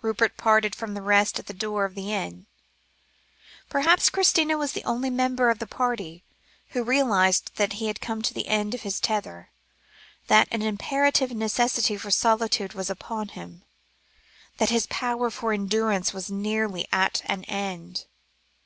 Rupert parted from the rest at the door of the inn. Perhaps Christina was the only member of the party, who realised that he had come to the end of his tether, that an imperative necessity for solitude was upon him, that his power of endurance was nearly at an end.